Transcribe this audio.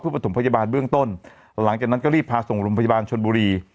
ประถมพยาบาลเบื้องต้นหลังจากนั้นก็รีบพาส่งโรงพยาบาลชนบุรี